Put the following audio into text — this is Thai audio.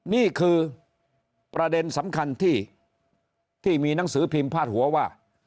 นี่คือประเด็นสำคัญที่มีหนังสือพิมพ์พาดหัวว่า